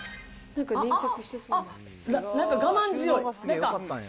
なんか我慢強い。